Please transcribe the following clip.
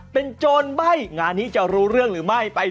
เป็นโจมตร์ไบ้